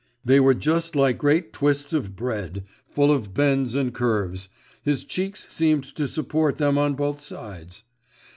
They were just like great twists of bread, full of bends and curves; his cheeks seemed to support them on both sides.